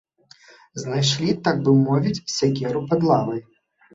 Знайшлі, так бы мовіць, сякеру пад лавай.